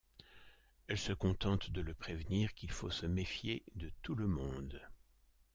Elle se contente de le prévenir qu'il faut se méfier de tout le monde.